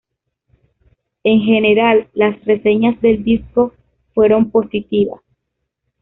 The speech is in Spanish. En general, las reseñas del disco fueron positivas.